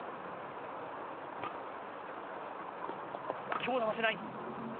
強打はしない。